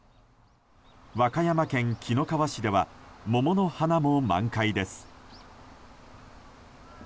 和歌山県紀の川市では桃の花も満開です。